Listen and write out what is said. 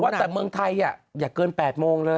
เขาบอกว่าแต่เมืองไทยอย่าเกิน๘โมงเลย